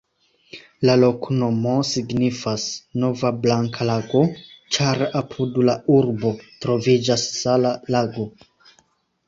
La loknomo signifas: nova-blanka-lago, ĉar apud la urbo troviĝas sala lago.